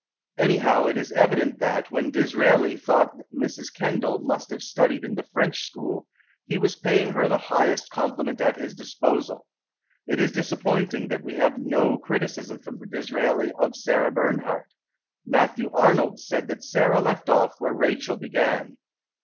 Anyhow, it is evident that, when Disraeli thought Mrs. Kendal must have studied in the French school, he was paying her the highest compliment at his disposal. It is disappointing that we have no criticism from Disraeli of Sarah Bernhardt. Matthew Arnold said that Sarah left off where Rachel began.